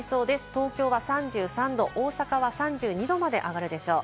東京は３３度、大阪は３２度まで上がるでしょう。